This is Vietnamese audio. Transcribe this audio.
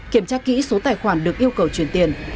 kiểm tra kỹ số tài khoản được yêu cầu chuyển tiền